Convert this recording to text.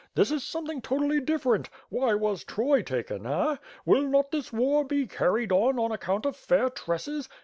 This is something totally different. Why was Troy taken? Eh? Will not this war be carried on on account of fair tresses?